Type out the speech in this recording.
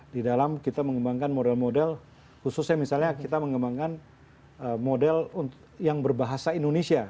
di dalam kita mengembangkan model model khususnya misalnya kita mengembangkan model yang berbahasa indonesia